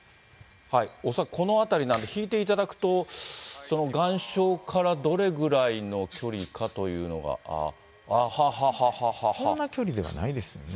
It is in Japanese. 恐らく、この辺りなんで、引いていただくと、その岩礁からどれぐらいの距離かというのが、ああ、そんな距離ではないですよね。